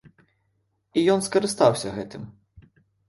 І ён скарыстаўся гэтым.